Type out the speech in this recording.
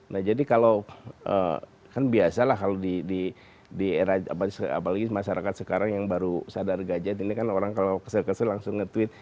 nah jadi kalau kan biasa lah kalau di era apalagi masyarakat sekarang yang baru sadar gadget ini kan orang kalau kesel kesel langsung nge tweet